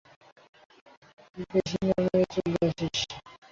বেশি না মেরে চলে আসিস।